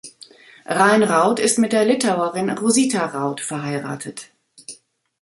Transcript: Rein Raud ist mit der Litauerin Rosita Raud verheiratet.